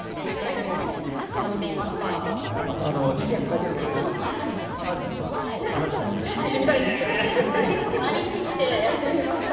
あとあの、事件解決する犯人はあなたですねって言ってみたいなりきってやってみました。